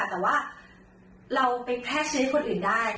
แต่ว่าเราเป็นแค่เชื้อให้คนอื่นได้